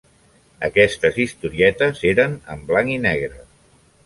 Aquestes historietes eren en blanc i negre.